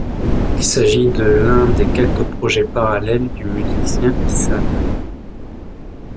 Il s'agit de l'un des quelques projets parallèles du musicien Ihsahn.